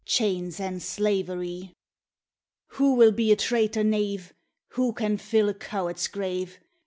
chains and slaverie! Wha will be a traitor knave? Wha can fill a coward's grave?